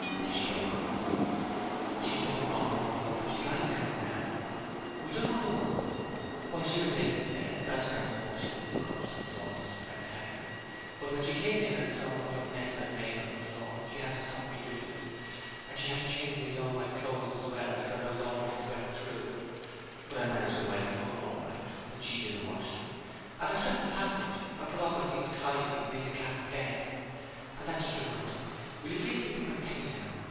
'Is she up?' She's been up all the morning, but she's lying down now. We've done all the work, though. While she was making the beds I started washing up the cups and saucers without telling her, but when she came in and saw what a mess I'd made on the floor, she had to stop me doing it, and she had to change nearly all my clothes as well, because I was almost wet through; but I managed the wiping up all right when she did the washing, and I swept the passage and put all my things tidy and made the cat's bed. And that just reminds me: will you please give me my penny now?